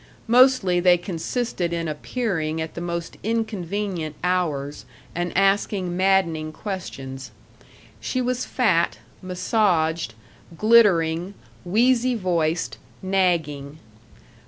Mostly they consisted in appearing at the most inconvenient hours and asking maddening questions. She was fat, massaged, glittering, wheezy voiced, nagging.